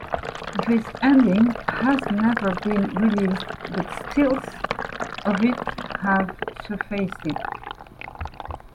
This ending has never been released, but stills of it have surfaced.